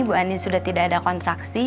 bu ani sudah tidak ada kontraksi